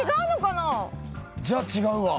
・じゃあ違うわ。